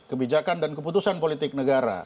kebijakan dan keputusan politik negara